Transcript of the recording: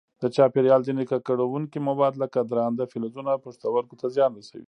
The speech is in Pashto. د چاپېریال ځیني ککړونکي مواد لکه درانده فلزونه پښتورګو ته زیان رسوي.